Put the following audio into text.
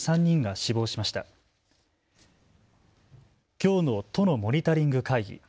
きょうの都のモニタリング会議。